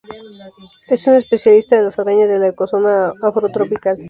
Es un especialista de las arañas de la Ecozona afrotropical.